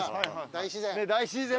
大自然。